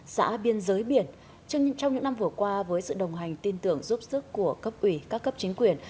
xã biên giới biển trong những năm vừa qua với sự đồng hành tin tưởng giúp sức của cấp ủy các cấp chính quyền